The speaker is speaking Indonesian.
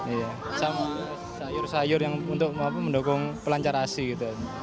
iya sama sayur sayur yang untuk mendukung pelancar asi gitu